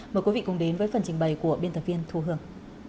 mời quý vị cùng đến với phần trình bày của biên tập viên thu hương